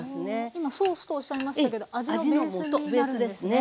今ソースとおっしゃいましたけど味のベースになるんですね。